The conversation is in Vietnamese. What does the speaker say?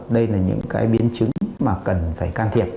đây là những cái biến chứng mà cần phải can thiệp